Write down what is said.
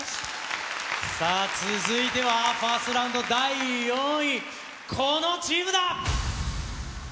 さあ、続いてはファーストラウンド第４位、このチームだ。